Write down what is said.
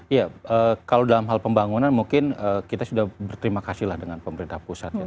iya kalau dalam hal pembangunan mungkin kita sudah berterima kasih lah dengan pemerintah pusat ya